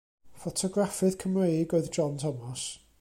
Ffotograffydd Cymreig oedd John Thomas.